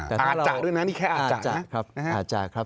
อาจจะด้วยนะนี่แค่อาจจะนะครับ